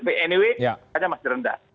anyway hanya masih rendah